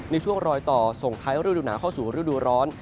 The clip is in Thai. ในช่วงรอยต่อส่งท้ายฤดูหนาวเข้าสู่ฤดูร้อน